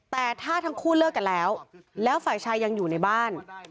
แต่ถ้าทั้งคู่เลิกกันแล้วแล้วฝ่ายชายยังอยู่ในบ้าน